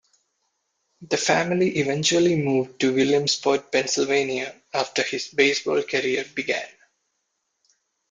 The family eventually moved to Williamsport, Pennsylvania after his baseball career began.